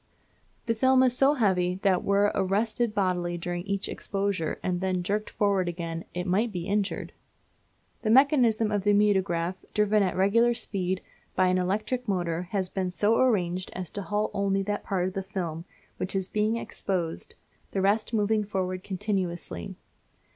The film is so heavy that were it arrested bodily during each exposure and then jerked forward again, it might be injured. The mechanism of the mutograph, driven at regular speed, by an electric motor, has been so arranged as to halt only that part of the film which is being exposed, the rest moving forward continuously.